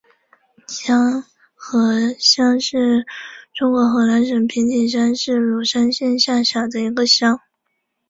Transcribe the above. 瀼河乡是中国河南省平顶山市鲁山县下辖的一个乡。